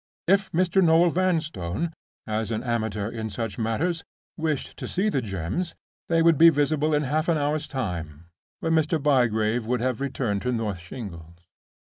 If Mr. Noel Vanstone, as an amateur in such matters, wished to see the Gems, they would be visible in half an hour's time, when Mr. Bygrave would have returned to North Shingles.